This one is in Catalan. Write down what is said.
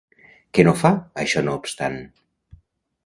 Què no fa, això no obstant?